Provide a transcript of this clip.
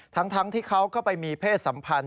ทั้งที่เขาก็ไปมีเพศสัมพันธ